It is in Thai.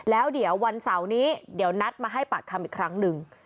แล้วเดี๋ยววันเสาร์นี้เดี๋ยวนัดมาให้ปากคำอีกครั้งหนึ่ง